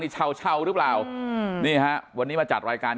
นี่เฉากเฉาหรือวันนี้มาจัดรายการ